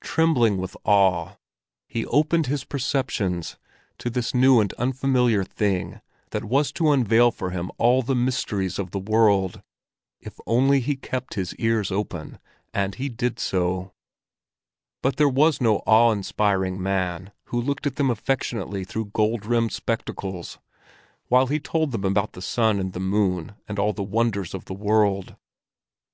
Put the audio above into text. Trembling with awe, he opened his perceptions to this new and unfamiliar thing that was to unveil for him all the mysteries of the world, if only he kept his ears open; and he did so. But there was no awe inspiring man, who looked at them affectionately through gold rimmed spectacles while he told them about the sun and the moon and all the wonders of the world.